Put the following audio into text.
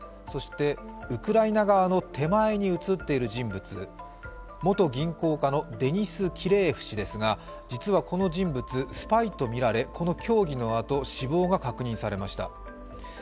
そしてウクライナ側の手前に写っている人物、元銀行家のデニス・キレーエフ氏ですが、実はこの人物、スパイとみられこの協議のあと、死亡が確認されました。